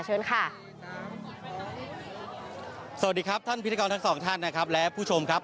สวัสดีครับท่านพิธีกรทั้ง๒ท่านและผู้ชมครับ